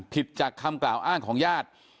จากคำกล่าวอ้างของญาติ